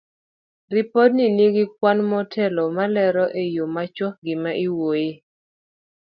Ripodgi ni gi kwan motelo malero e yo machuok gima iwuoyoe.